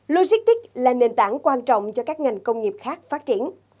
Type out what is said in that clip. logistics là nền tảng quan trọng cho các ngành công nghiệp khác phát triển